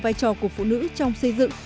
vai trò của phụ nữ trong xây dựng